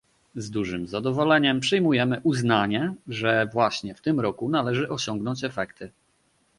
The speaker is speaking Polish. Z dużym zadowoleniem przyjmujemy uznanie, że właśnie w tym roku należy osiągnąć efekty